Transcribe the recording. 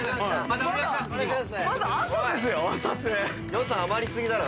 予算余り過ぎだろ。